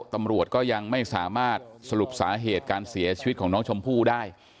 ตำรวจก็ยังไม่สามารถสรุปสาเหตุการเสียชีวิตของน้องชมพู่ได้